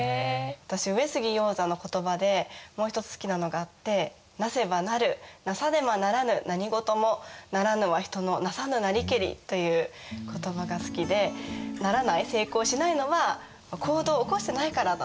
私上杉鷹山の言葉でもう一つ好きなのがあって「なせば成るなさねば成らぬ何事も成らぬは人のなさぬなりけり」という言葉が好きでならない成功しないのは行動を起こしてないからだと。